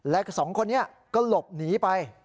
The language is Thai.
และสองคนนี้ก็หลบหนีไป